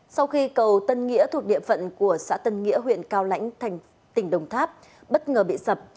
sau khi cầu tân nghĩa thuộc địa phận của xã tân nghĩa huyện cao lãnh tỉnh đồng tháp bất ngờ bị sập